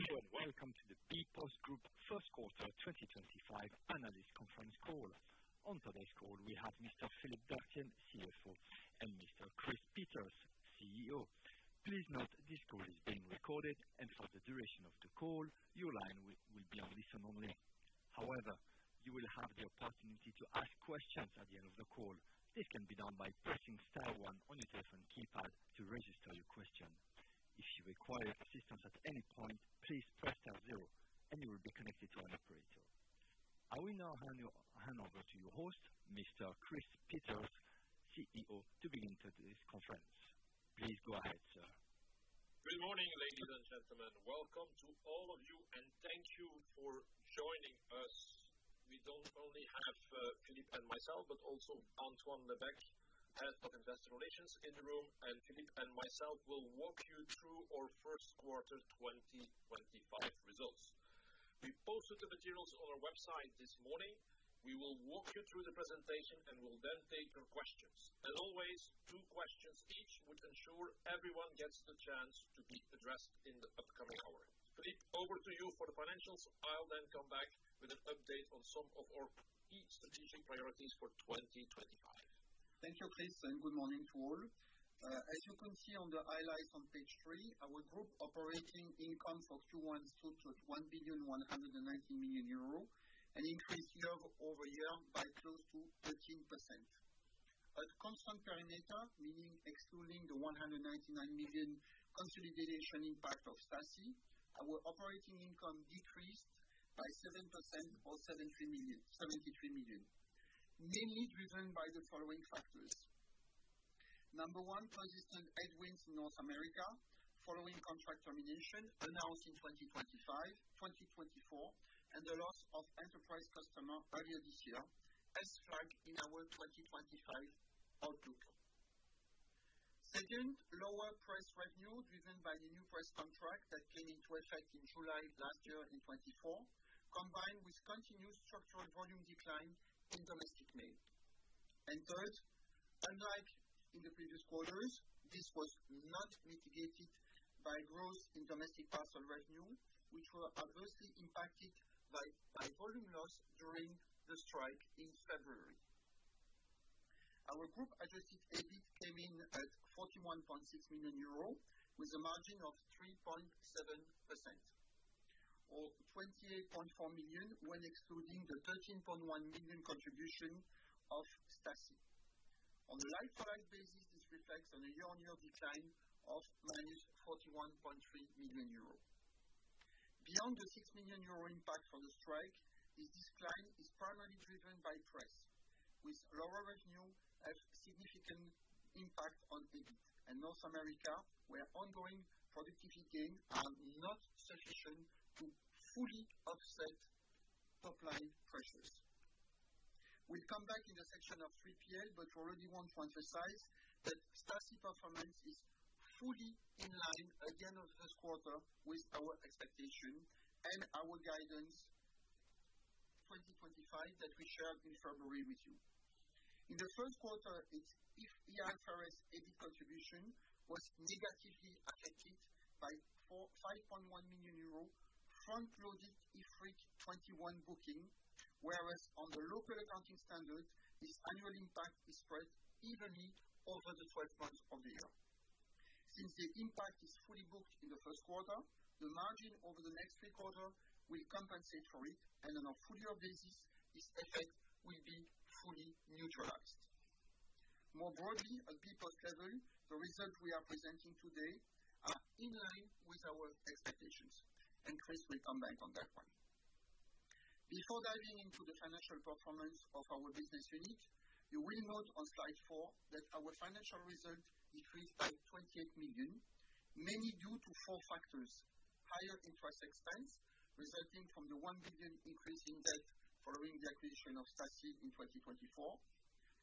You are welcome to the bpost Group First Quarter 2025 Analyst Conference call. On today's call, we have Mr. Philippe Dartienne, CFO, and Mr. Chris Peeters, CEO. Please note this call is being recorded, and for the duration of the call, your line will be on listen only. However, you will have the opportunity to ask questions at the end of the call. This can be done by pressing star one on your telephone keypad to register your question. If you require assistance at any point, please press star zero, and you will be connected to an operator. I will now hand over to your host, Mr. Chris Peeters, CEO, to begin today's conference. Please go ahead, sir. Good morning, ladies and gentlemen. Welcome to all of you, and thank you for joining us. We do not only have Philippe and myself, but also Antoine Lebecq, Head of Investor Relations, in the room, and Philippe and myself will walk you through our first quarter 2025 results. We posted the materials on our website this morning. We will walk you through the presentation and will then take your questions. As always, two questions each would ensure everyone gets the chance to be addressed in the upcoming hour. Philippe, over to you for the financials. I will then come back with an update on some of our key strategic priorities for 2025. Thank you, Chris, and good morning to all. As you can see on the highlights on page three, our group operating income for Q1 stood at EUR 1,190 million and increased year-over-year by close to 13%. At constant perimeter, meaning excluding the 199 million consolidation impact of SASE, our operating income decreased by 7% or 73 million, mainly driven by the following factors: number one, consistent headwinds in North America following contract termination announced in 2024, and the loss of enterprise customers earlier this year as flagged in our 2025 outlook. Second, lower press revenue driven by the new press contract that came into effect in July last year in 2024, combined with continued structural volume decline in domestic mail. Third, unlike in the previous quarters, this was not mitigated by growth in domestic parcel revenue, which were adversely impacted by volume loss during the strike in February. Our group adjusted EBIT came in at 41.6 million euro with a margin of 3.7%, or 28.4 million when excluding the 13.1 million contribution of SASE. On a line-for-line basis, this reflects on a year-on-year decline of minus 41.3 million euros. Beyond the 6 million euro impact from the strike, this decline is primarily driven by press, with lower revenue having a significant impact on EBIT, and North America, where ongoing productivity gains are not sufficient to fully offset top-line pressures. We will come back in the section of 3:00 P.M., but I already want to emphasize that SASE performance is fully in line at the end of this quarter with our expectation and our guidance 2025 that we shared in February with you. In the first quarter, SASE's EBIT contribution was negatively affected by 5.1 million euros front-loaded IFRIC 21 booking, whereas on the local accounting standard, this annual impact is spread evenly over the 12 months of the year. Since the impact is fully booked in the first quarter, the margin over the next three quarters will compensate for it, and on a full-year basis, this effect will be fully neutralized. More broadly, at bpost level, the results we are presenting today are in line with our expectations, and Chris will come back on that one. Before diving into the financial performance of our business unit, you will note on slide four that our financial result decreased by 28 million, mainly due to four factors: higher interest expense resulting from the 1 billion increase in debt following the acquisition of SASE in 2024,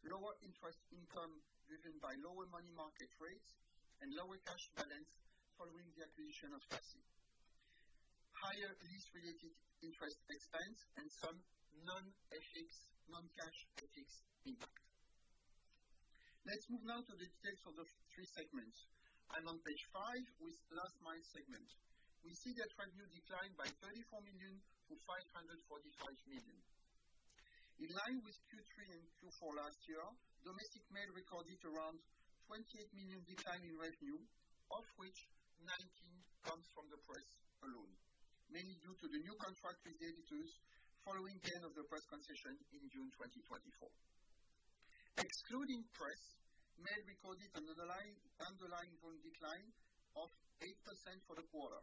lower interest income driven by lower money market rates, and lower cash balance following the acquisition of SASE, higher lease-related interest expense, and some non-cash ethics impact. Let's move now to the details of the three segments. I'm on page five with last-mile segment. We see that revenue declined by 34 million-545 million. In line with Q3 and Q4 last year, domestic mail recorded around 28 million decline in revenue, of which 19 comes from the press alone, mainly due to the new contract with editors following the end of the press concession in June 2024. Excluding press, mail recorded an underlying volume decline of 8% for the quarter.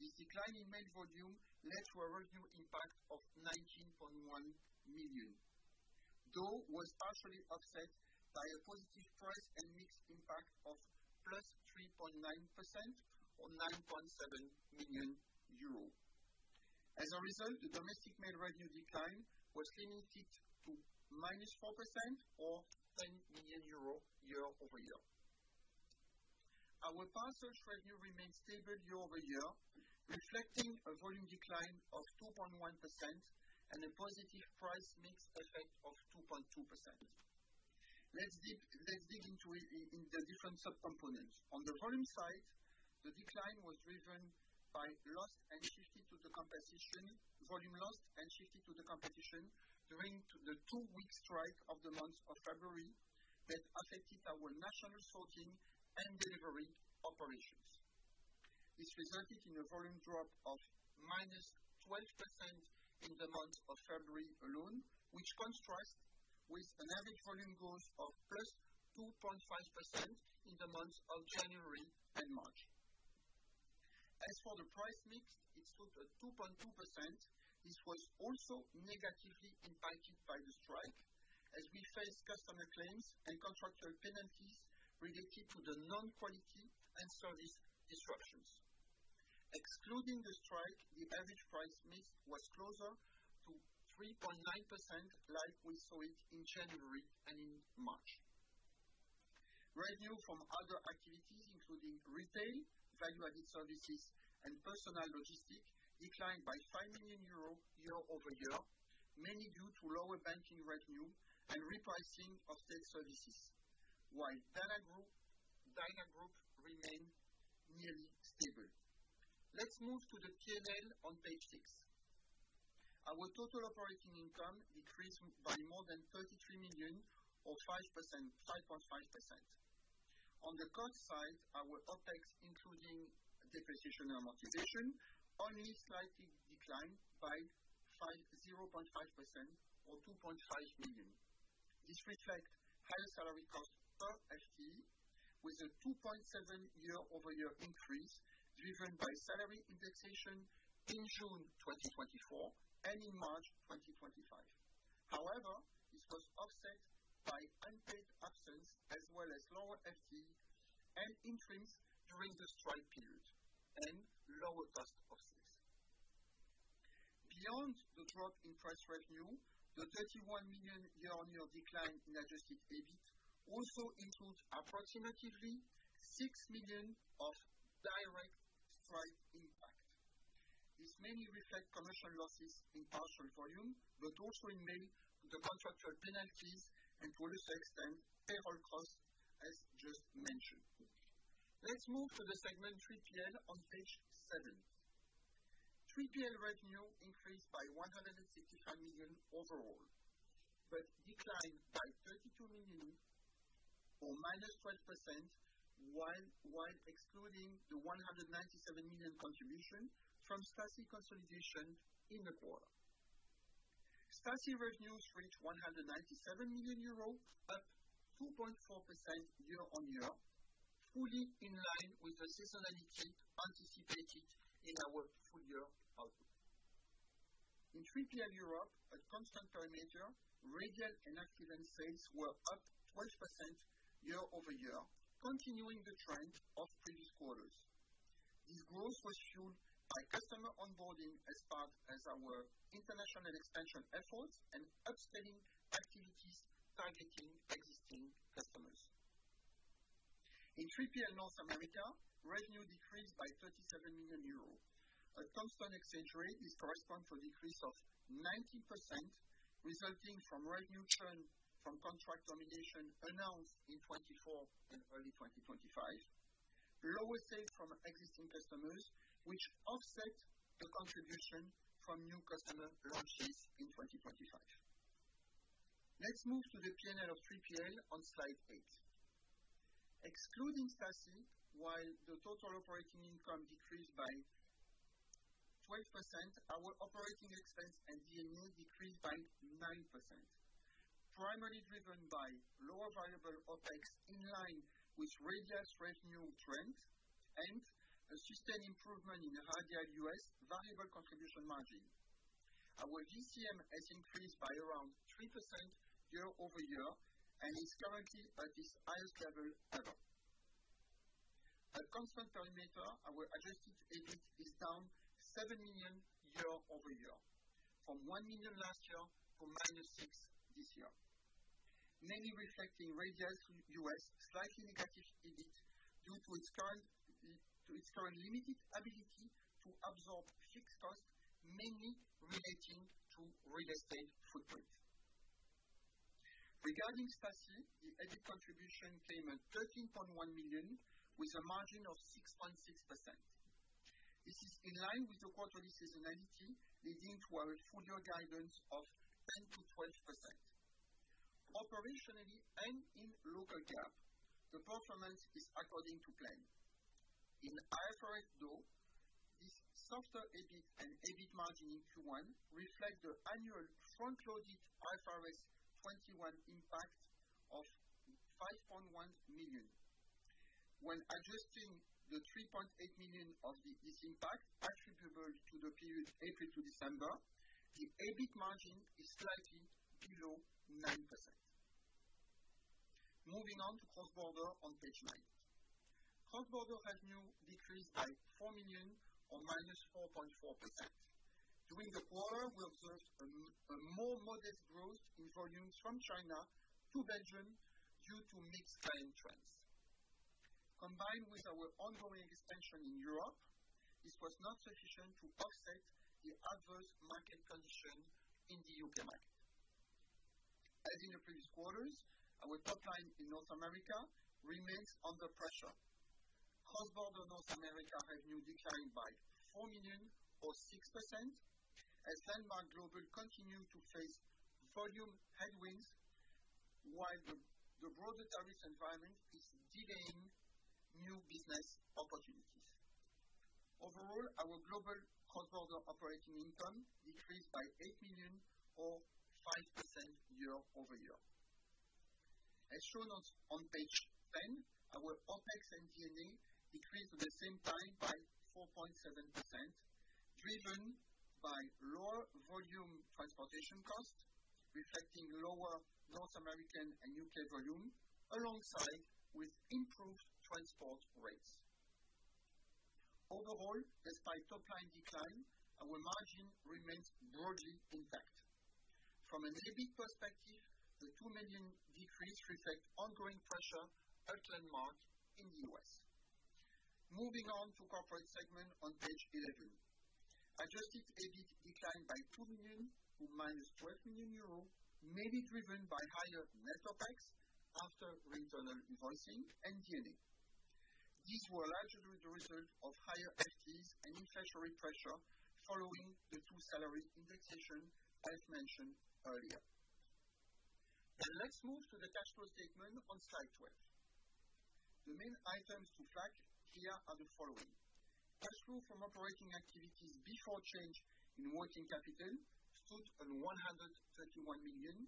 This decline in mail volume led to a revenue impact of 19.1 million, though was partially offset by a positive press and mixed impact of plus 3.9% or 9.7 million euros. As a result, the domestic mail revenue decline was limited to minus 4% or EUR 10 million year-over-year. Our parcel shredding remained stable year-over-year, reflecting a volume decline of 2.1% and a positive price mix effect of 2.2%. Let's dig into the different subcomponents. On the volume side, the decline was driven by loss and shifted to the compensation volume loss and shifted to the compensation during the two-week strike of the month of February that affected our national sorting and delivery operations. This resulted in a volume drop of -12% in the month of February alone, which contrasts with an average volume growth of +2.5% in the months of January and March. As for the price mix, it stood at 2.2%. This was also negatively impacted by the strike, as we faced customer claims and contractor penalties related to the non-quality and service disruptions. Excluding the strike, the average price mix was closer to 3.9%, like we saw it in January and in March. Revenue from other activities, including retail, value-added services, and personal logistics, declined by 5 million euros year-over-year, mainly due to lower banking revenue and repricing of state services, while Dynagroup remained nearly stable. Let's move to the P&L on page six. Our total operating income decreased by more than 33 million, or 5.5%. On the cost side, our OPEX, including depreciation and amortization, only slightly declined by 0.5%, or 2.5 million. This reflects higher salary cost per FTE, with a 2.7% year-over-year increase driven by salary indexation in June 2024 and in March 2025. However, this was offset by unpaid absence as well as lower FTE and increase during the strike period and lower cost of sales. Beyond the drop in press revenue, the 31 million year on year decline in adjusted EBIT also includes approximately 6 million of direct strike impact. This mainly reflects commercial losses in parcel volume, but also in mail, the contractual penalties, and to a lesser extent, payroll costs, as just mentioned. Let's move to the segment 3PL on page seven. 3PL revenue increased by 165 million overall, but declined by 32 million, or -12%, while excluding the 197 million contribution from SASE consolidation in the quarter. SASE revenues reached 197 million euro, up 2.4% year-on-year, fully in line with the seasonality anticipated in our full-year outlook. In 3PL Europe, at constant perimeter, Radial and accident sales were up 12% year-over-year, continuing the trend of previous quarters. This growth was fueled by customer onboarding as part of our international expansion efforts and upselling activities targeting existing customers. In 3PL North America, revenue decreased by 37 million euros. At constant exchange rate, this corresponds to a decrease of 19%, resulting from revenue churn from contract termination announced in 2024 and early 2025, lower sales from existing customers, which offset the contribution from new customer launches in 2025. Let's move to the P&L of 3PL on slide eight. Excluding SASE, while the total operating income decreased by 12%, our operating expense and DME decreased by 9%, primarily driven by lower variable OPEX in line with Radial revenue trends and a sustained improvement in Radial US variable contribution margin. Our VCM has increased by around 3% year-over-year and is currently at its highest level ever. At constant perimeter, our adjusted EBIT is down 7 million year-over-year, from 1 million last year to minus 6 this year, mainly reflecting Radial US slightly negative EBIT due to its current limited ability to absorb fixed costs, mainly relating to real estate footprint. Regarding SASE, the EBIT contribution came at 13.1 million, with a margin of 6.6%. This is in line with the quarterly seasonality, leading to a full-year guidance of 10-12%. Operationally and in local GAAP, the performance is according to plan. In IFRS, though, this softer EBIT and EBIT margin in Q1 reflect the annual front-loaded IFRIC 21 impact of 5.1 million. When adjusting the 3.8 million of this impact, attributable to the period April to December, the EBIT margin is slightly below 9%. Moving on to Cross Border on page nine. Cross Border revenue decreased by 4 million, or -4.4%. During the quarter, we observed a more modest growth in volume from China to Belgium due to mixed buying trends. Combined with our ongoing expansion in Europe, this was not sufficient to offset the adverse market conditions in the U.K. market. As in the previous quarters, our top line in North America remains under pressure. Cross Border North America revenue declined by 4 million, or 6%, as Landmark Global continues to face volume headwinds, while the broader tariff environment is delaying new business opportunities. Overall, our global cross-border operating income decreased by 8 million, or 5% year-over-year. As shown on page ten, our OPEX and DME decreased at the same time by 4.7%, driven by lower volume transportation costs, reflecting lower North American and U.K. volume, alongside improved transport rates. Overall, despite top-line decline, our margin remains broadly intact. From an EBIT perspective, the 2 million decrease reflects ongoing pressure at Landmark Global in the U.S. Moving on to corporate segment on page 11. Adjusted EBIT declined by 2 million, or minus 12 million euros, mainly driven by higher net OPEX after return on invoicing and DME. These were largely the result of higher FTEs and inflationary pressure following the two salary indexations, as mentioned earlier. Let's move to the cash flow statement on slide 12. The main items to flag here are the following. Cash flow from operating activities before change in working capital stood at 131 million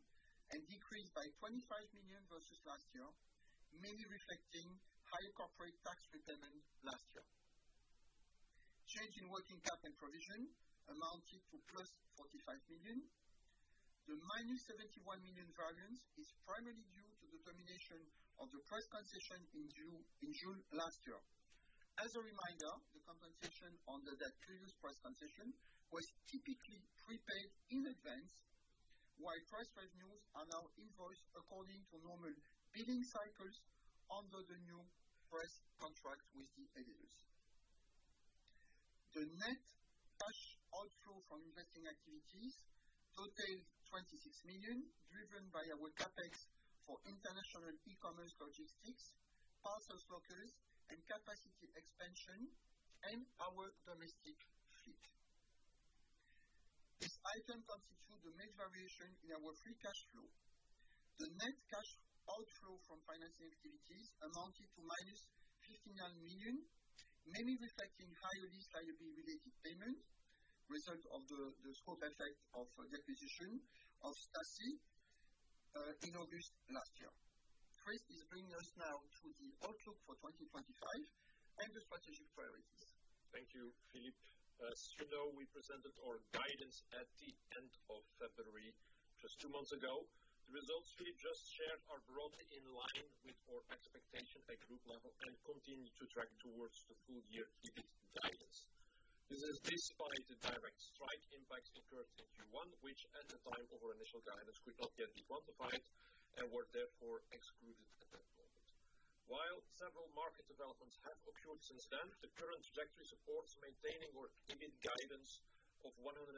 and decreased by 25 million versus last year, mainly reflecting high corporate tax repayment last year. Change in working cap and provision amounted to plus 45 million. The minus 71 million variance is primarily due to the termination of the press concession in June last year. As a reminder, the compensation on the previous press concession was typically prepaid in advance, while press revenues are now invoiced according to normal billing cycles under the new press contract with the editors. The net cash outflow from investing activities totaled 26 million, driven by our CapEx for international e-commerce logistics, parcel circuits, and capacity expansion, and our domestic fleet. This item constitutes the main variation in our free cash flow. The net cash outflow from financing activities amounted to minus 59 million, mainly reflecting higher lease-related payments, resulting from the scope effect of the acquisition of SASE in August last year. Chris is bringing us now to the outlook for 2025 and the strategic priorities. Thank you, Philippe. As you know, we presented our guidance at the end of February, just two months ago. The results we just shared are broadly in line with our expectation at group level and continue to track towards the full-year EBIT guidance. This is despite the direct strike impacts incurred in Q1, which, at the time of our initial guidance, could not yet be quantified and were therefore excluded at that moment. While several market developments have occurred since then, the current trajectory supports maintaining our EBIT guidance of 150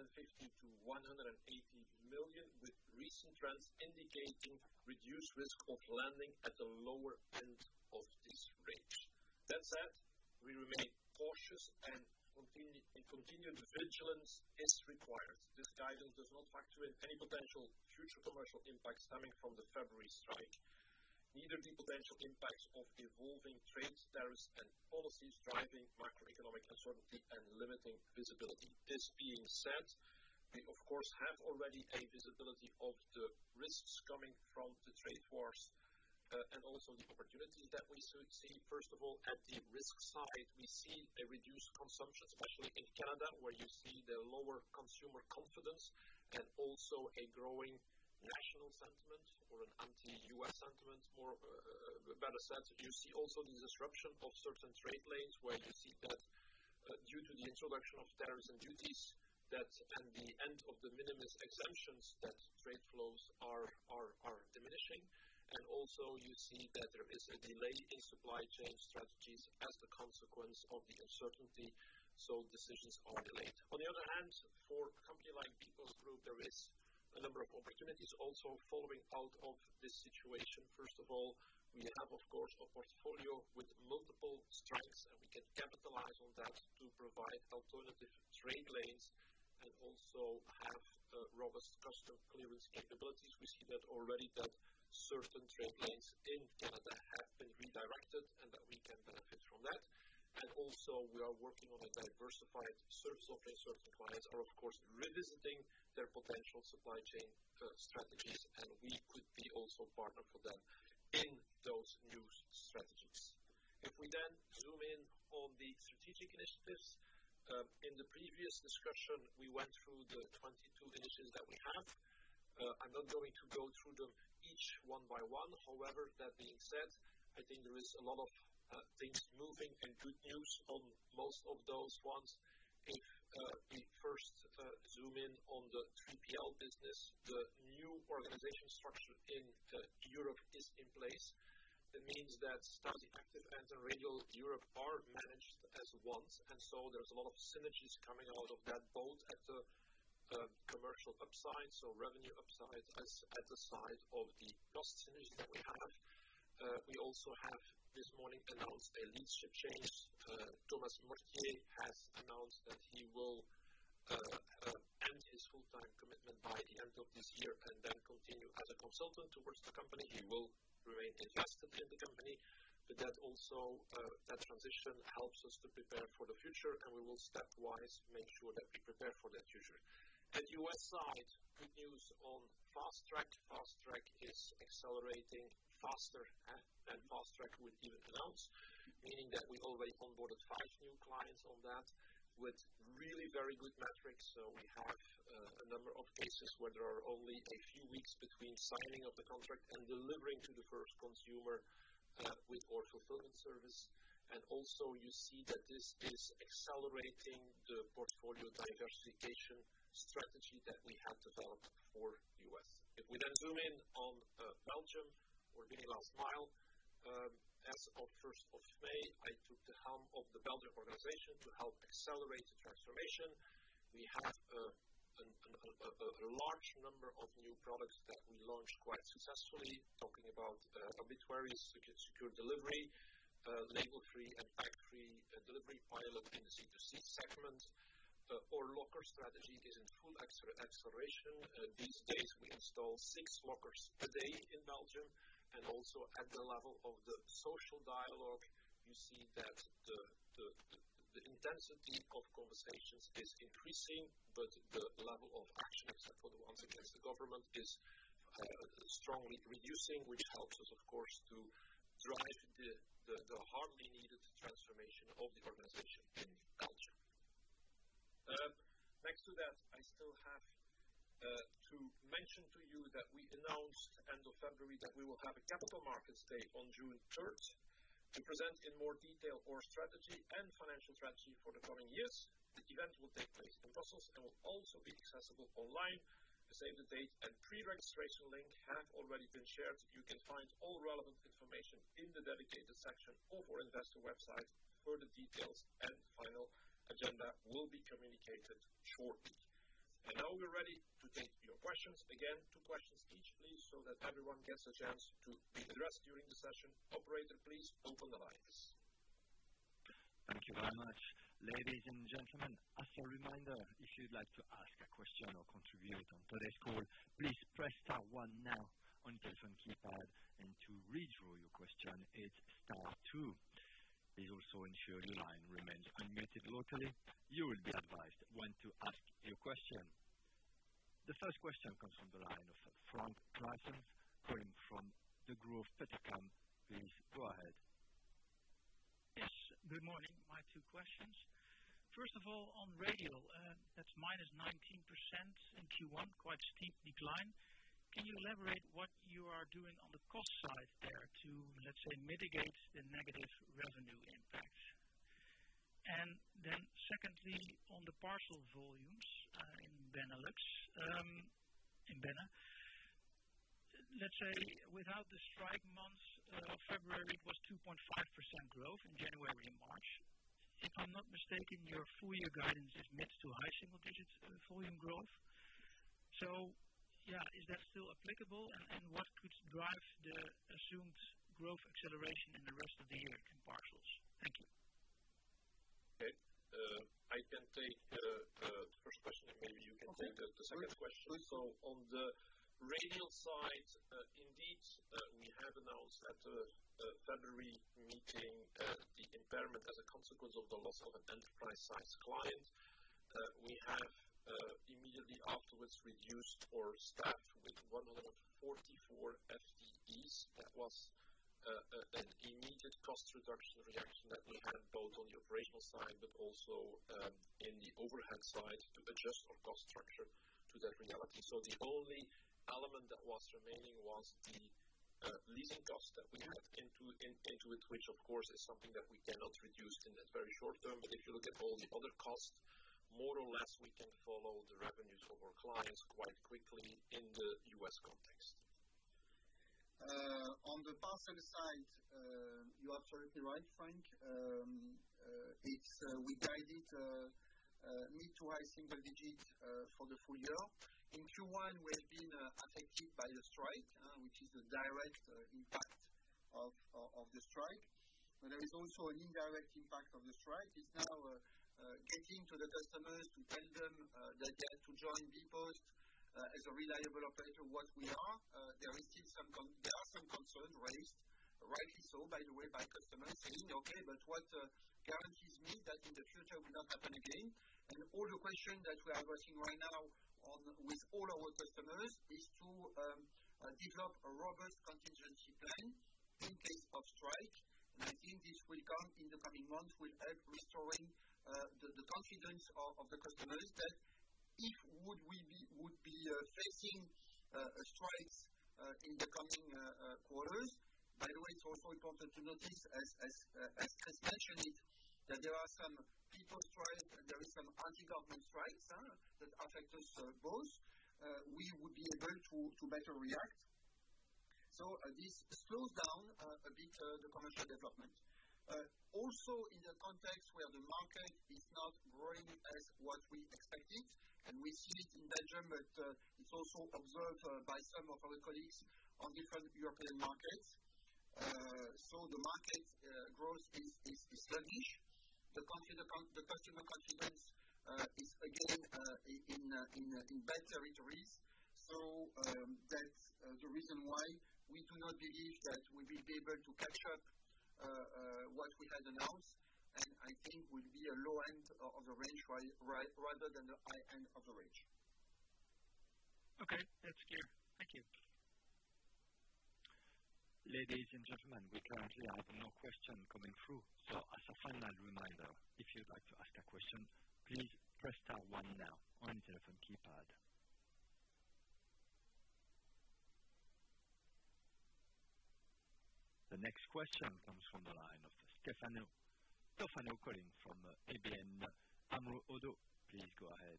million-180 million, with recent trends indicating reduced risk of landing at a lower end of this range. That said, we remain cautious, and continued vigilance is required. This guidance does not factor in any potential future commercial impacts stemming from the February strike, neither the potential impacts of evolving trade tariffs and policies driving macroeconomic uncertainty and limiting visibility. This being said, we, of course, have already a visibility of the risks coming from the trade wars and also the opportunities that we see. First of all, at the risk side, we see a reduced consumption, especially in Canada, where you see the lower consumer confidence and also a growing national sentiment or an anti-U.S. sentiment. Better said, you see also the disruption of certain trade lanes, where you see that due to the introduction of tariffs and duties, and the end of the de minimis exemptions, trade flows are diminishing. You see that there is a delay in supply chain strategies as a consequence of the uncertainty, so decisions are delayed. On the other hand, for a company like bpost, there are a number of opportunities also following out of this situation. First of all, we have, of course, a portfolio with multiple strengths, and we can capitalize on that to provide alternative trade lanes and also have robust customs clearance capabilities. We see already that certain trade lanes in Canada have been redirected and that we can benefit from that. We are also working on a diversified service offering. Certain clients are, of course, revisiting their potential supply chain strategies, and we could be also a partner for them in those new strategies. If we then zoom in on the strategic initiatives, in the previous discussion, we went through the 22 initiatives that we have. I'm not going to go through them each one by one. However, that being said, I think there is a lot of things moving and good news on most of those ones. If we first zoom in on the 3PL business, the new organization structure in Europe is in place. That means that SASE, Active Antics, and then Radial Europe are managed as one, and so there's a lot of synergies coming out of that, both at the commercial upside and revenue upside at the side of the cost synergy that we have. We also have, this morning, announced a leadership change. Thomas Mortier has announced that he will end his full-time commitment by the end of this year and then continue as a consultant towards the company. He will remain invested in the company, but that transition helps us to prepare for the future, and we will stepwise make sure that we prepare for that future. At U.S. side, good news on Fast Track. Fast Track is accelerating faster than Fast Track would even announce, meaning that we already onboarded five new clients on that with really very good metrics. We have a number of cases where there are only a few weeks between signing of the contract and delivering to the first consumer with our fulfillment service. You see that this is accelerating the portfolio diversification strategy that we have developed for the U.S. If we then zoom in on Belgium or being last mile, as of 1st of May, I took the helm of the Belgian organization to help accelerate the transformation. We have a large number of new products that we launched quite successfully, talking about obituaries, secure delivery, label-free, and bag-free delivery pilot in the C2C segment. Our locker strategy is in full acceleration. These days, we install six lockers a day in Belgium. Also, at the level of the social dialogue, you see that the intensity of conversations is increasing, but the level of action, except for the ones against the government, is strongly reducing, which helps us, of course, to drive the hardly needed transformation of the organization in Belgium. Next to that, I still have to mention to you that we announced at the end of February that we will have a capital markets day on June 3 to present in more detail our strategy and financial strategy for the coming years. The event will take place in Brussels and will also be accessible online. The save the date and pre-registration link have already been shared. You can find all relevant information in the dedicated section of our investor website. Further details and final agenda will be communicated shortly. We are now ready to take your questions. Again, two questions each, please, so that everyone gets a chance to be addressed during the session. Operator, please open the lines. Thank you very much. Ladies and gentlemen, as a reminder, if you'd like to ask a question or contribute on today's call, please press star one now on your telephone keypad, and to withdraw your question, hit star two. Please also ensure your line remains unmuted locally. You will be advised when to ask your question. The first question comes from the line of Frank Grayson, calling from Degroof Petercam. Please go ahead. Yes, good morning. My two questions. First of all, on Radial, that's minus 19% in Q1, quite a steep decline. Can you elaborate what you are doing on the cost side there to, let's say, mitigate the negative revenue impacts? And then secondly, on the parcel volumes in Belgium, in, let's say, without the strike months of February, it was 2.5% growth in January and March. If I'm not mistaken, your full-year guidance is mid to high single-digit volume growth. Yeah, is that still applicable, and what could drive the assumed growth acceleration in the rest of the year in parcels? Thank you. Okay. I can take the first question, and maybe you can take the second question. On the Radial side, indeed, we have announced at the February meeting the impairment as a consequence of the loss of an enterprise-sized client. We have immediately afterwards reduced our staff with 144 FTEs. That was an immediate cost reduction reaction that we had both on the operational side but also in the overhead side to adjust our cost structure to that reality. The only element that was remaining was the leasing cost that we had into it, which, of course, is something that we cannot reduce in that very short term. If you look at all the other costs, more or less, we can follow the revenues of our clients quite quickly in the US context. On the parcel side, you are absolutely right, Frank. We guided mid to high single-digit for the full year. In Q1, we have been affected by the strike, which is a direct impact of the strike. There is also an indirect impact of the strike. It's now getting to the customers to tell them that they have to join bpost as a reliable operator, what we are. There are some concerns raised, rightly so, by the way, by customers saying, "Okay, but what guarantees me that in the future it will not happen again?" All the questions that we are addressing right now with all our customers is to develop a robust contingency plan in case of strike. I think this will come, in the coming months, will help restoring the confidence of the customers that if we would be facing strikes in the coming quarters. By the way, it is also important to notice, as Chris mentioned, that there are some people's strikes, and there are some anti-government strikes that affect us both. We would be able to better react. This slows down a bit the commercial development. Also, in the context where the market is not growing as what we expected, and we see it in Belgium, but it is also observed by some of our colleagues on different European markets. The market growth is sluggish. The customer confidence is, again, in bad territories. That is the reason why we do not believe that we will be able to catch up on what we had announced. I think we'll be at the low end of the range rather than the high end of the range. Okay. That's clear. Thank you. Ladies and gentlemen, we currently have no questions coming through. As a final reminder, if you'd like to ask a question, please press star one now on your telephone keypad. The next question comes from the line of Stefano, Stefano calling from ABN AMRO ODDO. Please go ahead.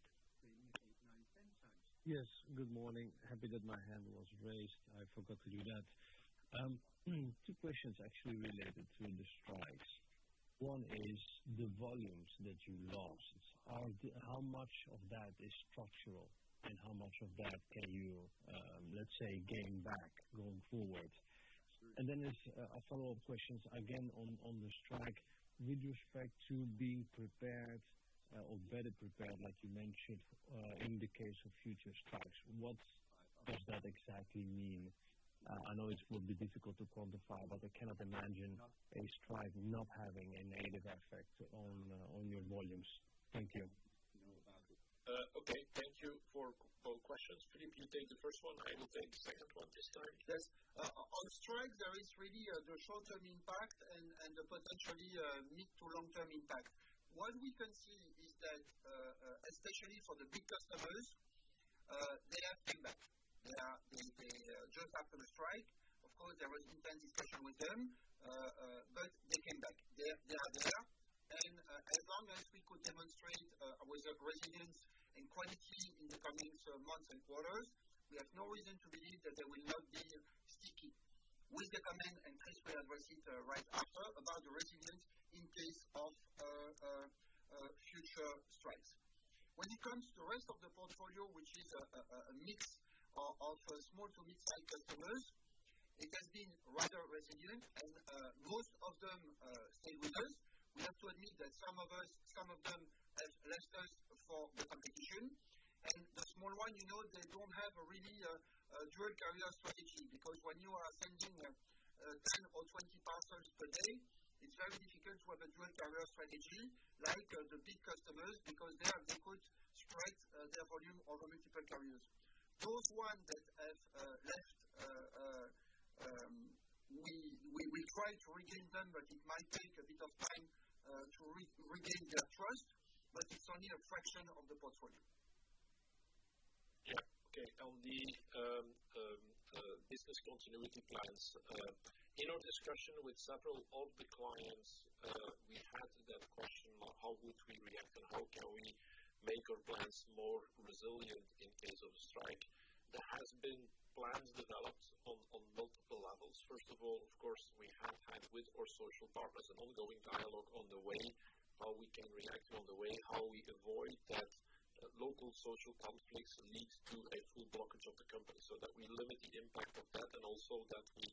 Yes. Good morning. Happy that my hand was raised. I forgot to do that. Two questions actually related to the strikes. One is the volumes that you lost. How much of that is structural, and how much of that can you, let's say, gain back going forward? Then there's a follow-up question, again, on the strike, with respect to being prepared or better prepared, like you mentioned, in the case of future strikes. What does that exactly mean? I know it will be difficult to quantify, but I cannot imagine a strike not having a negative effect on your volumes. Thank you. Okay. Thank you for both questions. Philippe, you take the first one. I will take the second one this time. Yes. On strikes, there is really the short-term impact and the potentially mid to long-term impact. What we can see is that, especially for the big customers, they have come back. They just after the strike. Of course, there was intense discussion with them, but they came back. They are there. As long as we could demonstrate resilience and quality in the coming months and quarters, we have no reason to believe that they will not be sticky. With the comment, and Chris will address it right after, about the resilience in case of future strikes. When it comes to the rest of the portfolio, which is a mix of small to mid-sized customers, it has been rather resilient, and most of them stayed with us. We have to admit that some of them have left us for the competition. The small one, you know, they do not have a really dual-carrier strategy because when you are sending 10 or 20 parcels per day, it is very difficult to have a dual-carrier strategy like the big customers because they could spread their volume over multiple carriers. Those ones that have left, we will try to regain them, but it might take a bit of time to regain their trust, but it is only a fraction of the portfolio. Yeah. Okay. On the business continuity plans, in our discussion with several of the clients, we had that question: how would we react, and how can we make our plans more resilient in case of a strike? There have been plans developed on multiple levels. First of all, of course, we have had with our social partners an ongoing dialogue on the way how we can react on the way how we avoid that local social conflicts lead to a full blockage of the company so that we limit the impact of that and also that we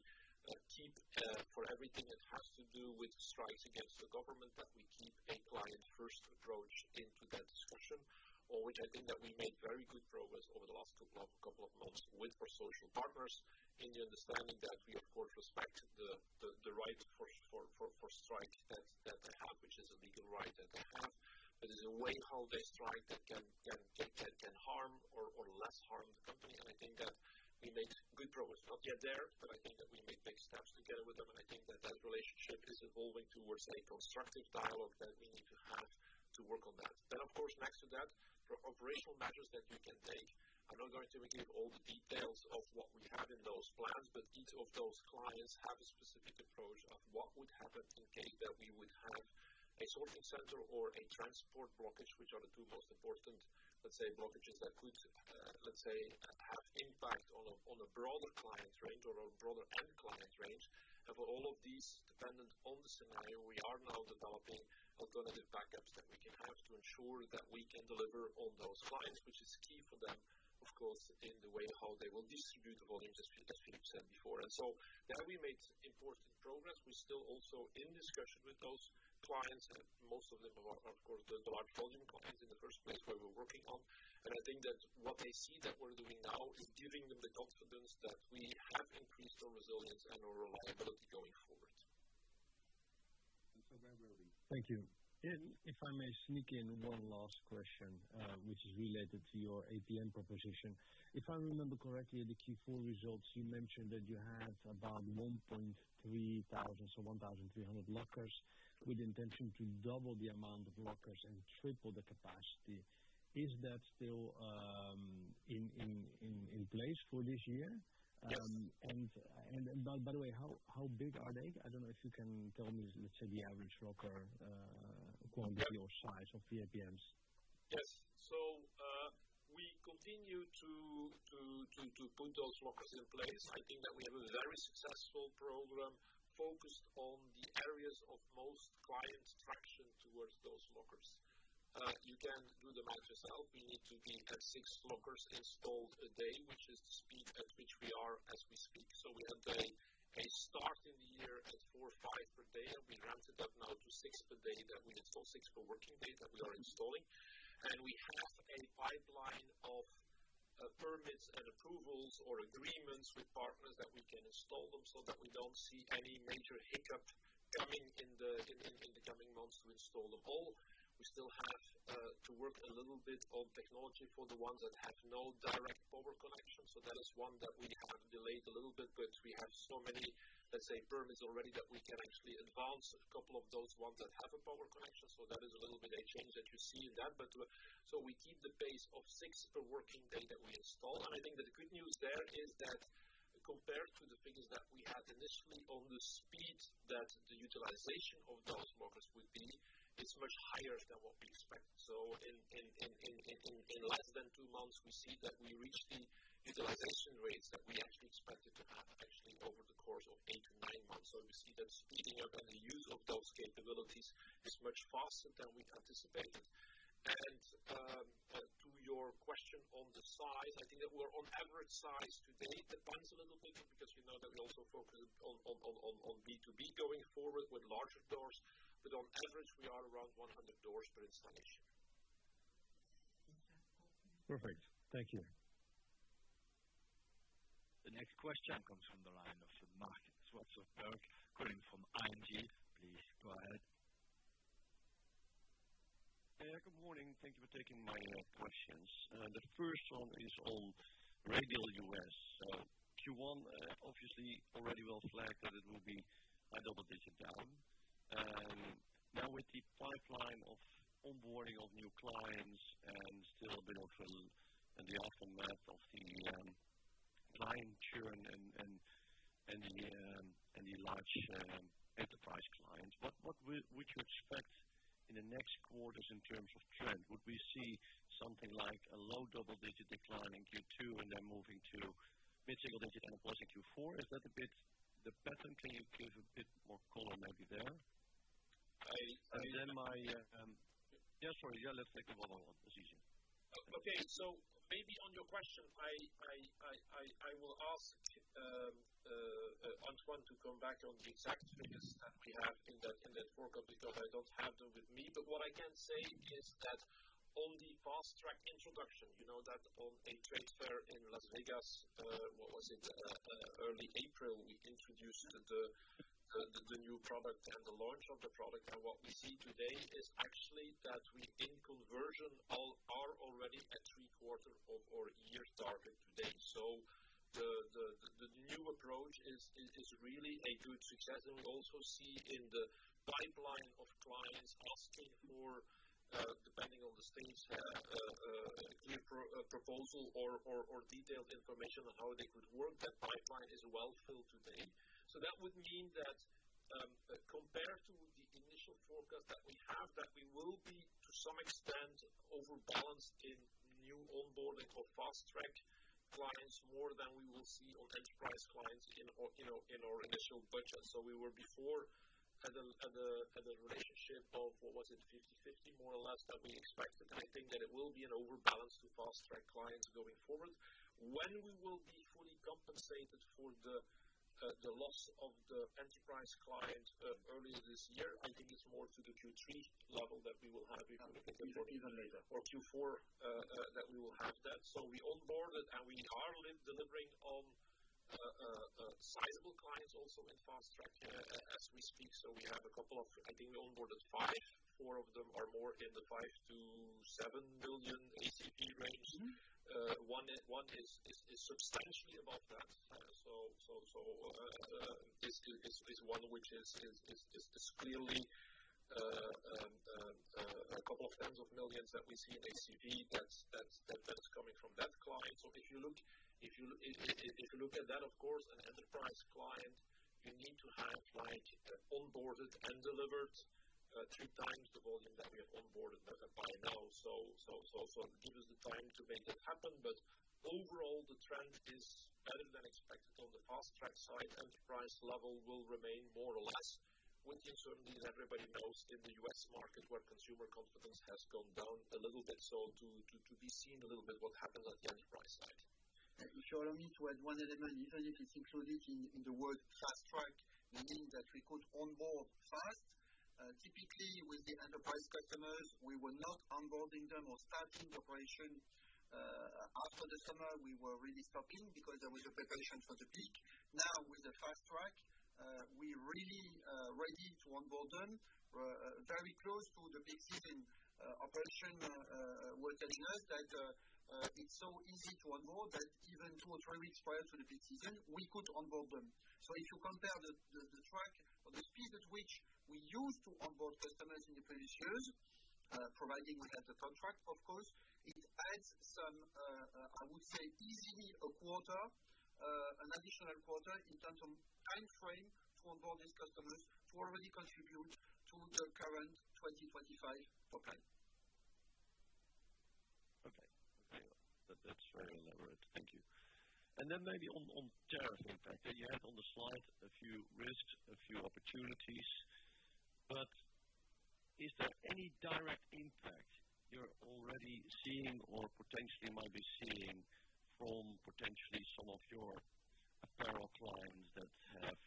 keep, for everything that has to do with strikes against the government, that we keep a client-first approach into that discussion, which I think that we made very good progress over the last couple of months with our social partners in the understanding that we, of course, respect the right for strike that they have, which is a legal right that they have, but it's a way how they strike that can harm or less harm the company. I think that we made good progress. Not yet there, but I think that we made big steps together with them, and I think that that relationship is evolving towards a constructive dialogue that we need to have to work on that. Of course, next to that, for operational measures that you can take, I'm not going to give all the details of what we have in those plans, but each of those clients have a specific approach of what would happen in case that we would have a sorting center or a transport blockage, which are the two most important, let's say, blockages that could, let's say, have impact on a broader client range or a broader end client range. For all of these, dependent on the scenario, we are now developing alternative backups that we can have to ensure that we can deliver on those clients, which is key for them, of course, in the way how they will distribute the volumes, as Philippe said before. There we made important progress. We are still also in discussion with those clients, and most of them are, of course, the large volume clients in the first place where we are working on. I think that what they see that we are doing now is giving them the confidence that we have increased our resilience and our reliability going forward. Thank you. If I may sneak in one last question, which is related to your APM proposition. If I remember correctly, in the Q4 results, you mentioned that you had about 1,300 lockers with the intention to double the amount of lockers and triple the capacity. Is that still in place for this year? Yes. By the way, how big are they? I do not know if you can tell me, let's say, the average locker quantity or size of the APMs. Yes. We continue to put those lockers in place. I think that we have a very successful program focused on the areas of most clients' attraction towards those lockers. You can do the math yourself. We need to be at six lockers installed a day, which is the speed at which we are as we speak. We had a start in the year at four or five per day, and we ramped it up now to six per day that we install, six per working day that we are installing. We have a pipeline of permits and approvals or agreements with partners that we can install them so that we do not see any major hiccup coming in the coming months to install them all. We still have to work a little bit on technology for the ones that have no direct power connection. That is one that we have delayed a little bit, but we have so many, let's say, permits already that we can actually advance a couple of those ones that have a power connection. That is a little bit a change that you see in that. We keep the pace of six per working day that we install. I think that the good news there is that compared to the figures that we had initially on the speed that the utilization of those lockers would be, it is much higher than what we expected. In less than two months, we see that we reached the utilization rates that we actually expected to have over the course of eight to nine months. We see that speeding up and the use of those capabilities is much faster than we anticipated. To your question on the size, I think that we are on average size today. It depends a little bit because we know that we also focus on B2B going forward with larger doors. On average, we are around 100 doors per installation. Perfect. Thank you. The next question comes from the line of Mark Swanson-Berg, calling from ING. Please go ahead. Good morning. Thank you for taking my questions. The first one is on Radial US. Q1, obviously, already well flagged that it will be a double-digit down. Now, with the pipeline of onboarding of new clients and still a bit of the aftermath of the client churn and the large enterprise clients, what would you expect in the next quarters in terms of trend? Would we see something like a low double-digit decline in Q2 and then moving to mid-single-digit and a plus in Q4? Is that a bit the pattern? Can you give a bit more color maybe there? My—yeah, sorry. Yeah, let's take the other one. It's easier. Maybe on your question, I will ask Antoine to come back on the exact figures that we have in that quarter because I do not have them with me. What I can say is that on the Fast Track introduction, you know that at a trade fair in Las Vegas, what was it? Early April, we introduced the new product and the launch of the product. What we see today is actually that we, in conversion, are already at three-quarters of our year target today. The new approach is really a good success. We also see in the pipeline of clients asking for, depending on the states, a clear proposal or detailed information on how they could work. That pipeline is well filled today. That would mean that compared to the initial forecast that we have, we will be, to some extent, overbalanced in new onboarding or Fast Track clients more than we will see on enterprise clients in our initial budget. We were before at a relationship of, what was it? 50/50, more or less, that we expected. I think that it will be an overbalance to Fast Track clients going forward. When we will be fully compensated for the loss of the enterprise client earlier this year, I think it is more to the Q3 level that we will have—even later? Or Q4 that we will have that. We onboarded, and we are delivering on sizable clients also in Fast Track as we speak. We have a couple of—I think we onboarded five. Four of them are more in the 5-7 million ACP range. One is substantially above that. This is one which is clearly a couple of tens of millions that we see in ACP that is coming from that client. If you look at that, of course, an enterprise client, you need to have onboarded and delivered three times the volume that we have onboarded by now. It gives us the time to make it happen. Overall, the trend is better than expected on the Fast Track side. Enterprise level will remain more or less with the uncertainties everybody knows in the U.S. market where consumer confidence has gone down a little bit. To be seen a little bit what happens at the enterprise side. As you showed on it, it was one element even if it is included in the word Fast Track, meaning that we could onboard fast. Typically, with the enterprise customers, we were not onboarding them or starting the operation after the summer. We were really stopping because there was a preparation for the peak. Now, with the Fast Track, we're really ready to onboard them very close to the peak season. Operation was telling us that it's so easy to onboard that even two or three weeks prior to the peak season, we could onboard them. If you compare the track or the speed at which we used to onboard customers in the previous years, providing we had the contract, of course, it adds some, I would say, easily a quarter, an additional quarter in terms of time frame to onboard these customers to already contribute to the current 2025 pipeline. Okay. That's very elaborate. Thank you. Maybe on tariff impact, you had on the slide a few risks, a few opportunities. Is there any direct impact you're already seeing or potentially might be seeing from potentially some of your apparel clients that have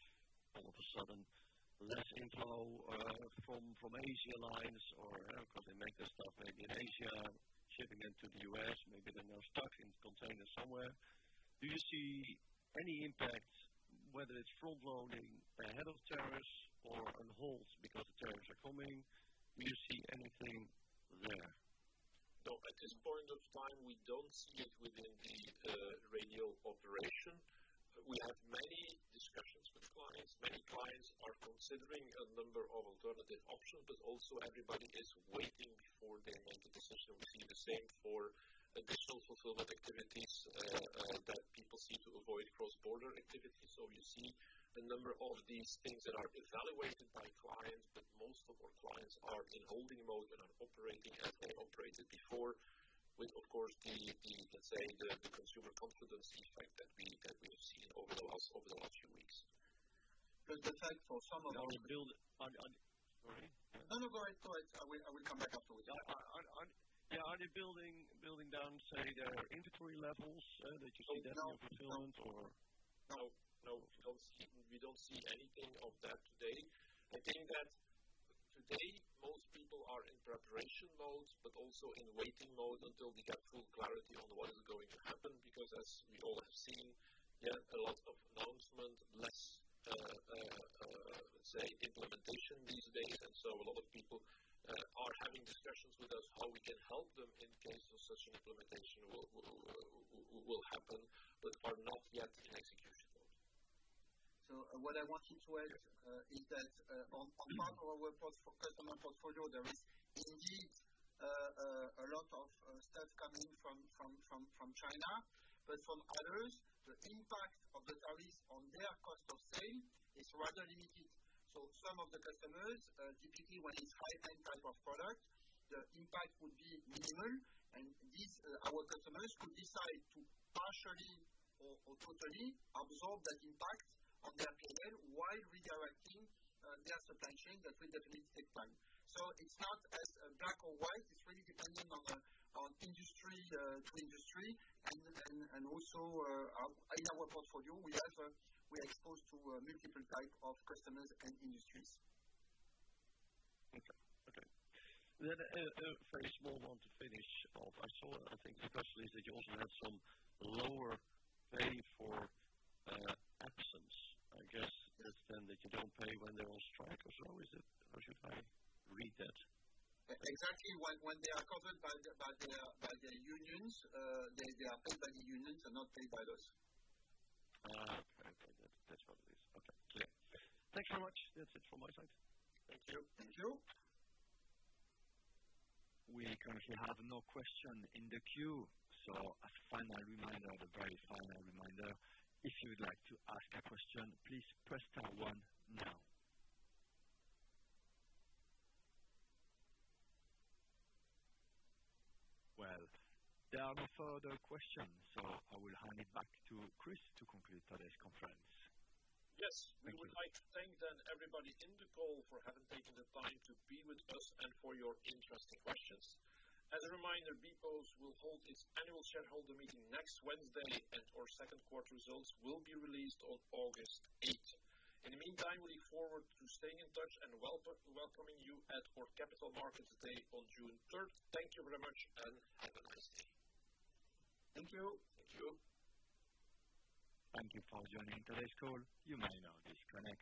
all of a sudden less inflow from Asia lines or because they make their stuff maybe in Asia, shipping it to the U.S., maybe they're now stuck in containers somewhere? Do you see any impact, whether it's front-loading ahead of tariffs or on hold because the tariffs are coming? Do you see anything there? No, at this point of time, we don't see it within the Radial operation. We have many discussions with clients. Many clients are considering a number of alternative options, but also everybody is waiting before they make the decision. We see the same for additional fulfillment activities that people seem to avoid cross-border activities. You see a number of these things that are evaluated by clients, but most of our clients are in holding mode and are operating as they operated before, with, of course, the, let's say, the consumer confidence effect that we have seen over the last few weeks. The fact for some of our— Sorry? No, no, go ahead. Go ahead. I will come back afterwards. Yeah. Are they building down, say, their inventory levels that you see that's in fulfillment or? No, no. We do not see anything of that today. I think that today, most people are in preparation mode, but also in waiting mode until we get full clarity on what is going to happen because, as we all have seen, there are lots of announcements, less, let's say, implementation these days. A lot of industry to industry. Also, in our portfolio, we are exposed to multiple types of customers and industries. Okay. Okay. A very small one to finish off. I saw, I think, especially that you also had some lower pay for absence. I guess that is then that you do not pay when they are on strike or so? Is that how should I read that? Exactly. When they are covered by their unions, they are paid by the unions and not paid by us. Okay. That is what it is. Okay. Clear. Thanks very much. That is it from my side. Thank you. Thank you. We currently have no question in the queue. A final reminder, the very final reminder. If you would like to ask a question, please press star one now. There are no further questions, so I will hand it back to Chris to conclude today's conference. Yes. We would like to thank, then, everybody in the call for having taken the time to be with us and for your interesting questions. As a reminder, bpost will hold its annual shareholder meeting next Wednesday, and our second quarter results will be released on August 8. In the meantime, we look forward to staying in touch and welcoming you at our Capital Markets Day on June 3. Thank you very much, and have a nice day. Thank you. Thank you. Thank you for joining today's call. You may now disconnect.